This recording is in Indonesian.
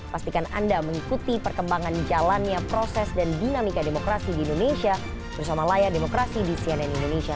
pastikan anda mengikuti perkembangan jalannya proses dan dinamika demokrasi di indonesia bersama layar demokrasi di cnn indonesia